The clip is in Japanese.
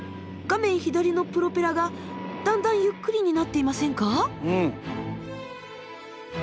画面左のプロペラがだんだんゆっくりになっていませんか？